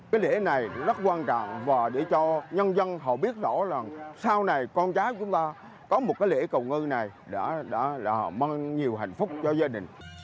cái lễ này rất quan trọng và để cho nhân dân họ biết rõ là sau này con trái của chúng ta có một cái lễ cầu ngư này là họ mang nhiều hạnh phúc cho gia đình